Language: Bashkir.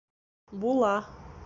Була